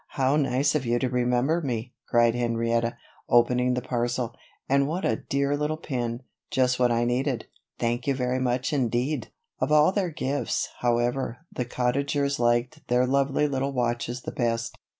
"How nice of you to remember me," cried Henrietta, opening the parcel. "And what a dear little pin just what I needed. Thank you very much indeed." Of all their gifts, however, the Cottagers liked their lovely little watches the best.